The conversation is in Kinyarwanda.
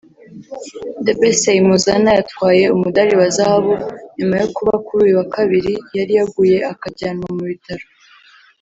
Debesay Mossana yatwaye umudali wa Zahabu nyuma yo kuba kuri uyu wa Kabiri yari yaguye akajyanwa mu bitaro